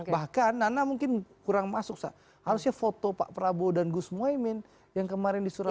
bahkan nana mungkin kurang masuk harusnya foto pak prabowo dan gus muhaymin yang kemarin disuruh